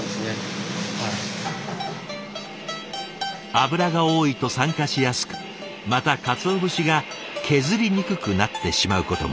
脂が多いと酸化しやすくまた鰹節が削りにくくなってしまうことも。